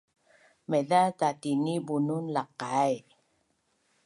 Maiza tatini bunun laqai